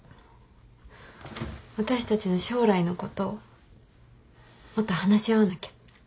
私たちの将来のこともっと話し合わなきゃ。